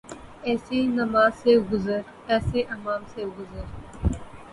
ایسی نماز سے گزر ، ایسے امام سے گزر